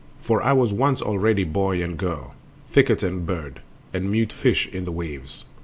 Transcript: For I was once already boy and girl, Thicket and bird, and mute fish in the waves.